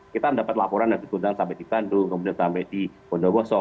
kita mendapat laporan dari gondang sampai di bandung kemudian sampai di bondowoso